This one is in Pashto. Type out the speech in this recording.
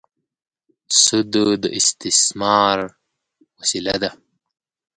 سود د استثمار وسیله ده.